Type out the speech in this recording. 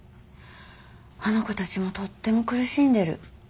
あの子たちもとっても苦しんでる。